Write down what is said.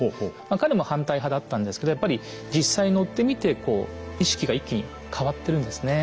彼も反対派だったんですけどやっぱり実際乗ってみてこう意識が一気に変わってるんですね。